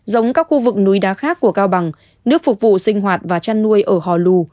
giống các khu vực núi đá khác của cao bằng nước phục vụ sinh hoạt và chăn nuôi ở hò lù